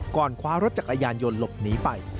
คว้ารถจักรยานยนต์หลบหนีไป